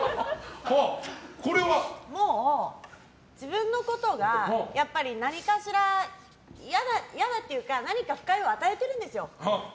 もう自分のことが何かしら嫌だというか何か不快を与えてるんですよ。